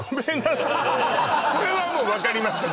これはもう分かりました